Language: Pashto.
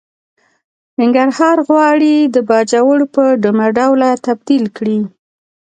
ننګرهار غواړي د باجوړ په ډمه ډوله تبديل کړي.